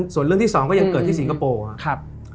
ส่วนเรื่องที่๒ก็ยังเกิดที่สิงคโปร์ครับ